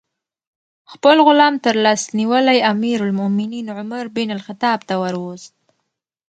خپل غلام ترلاس نیولی امیر المؤمنین عمر بن الخطاب ته وروست.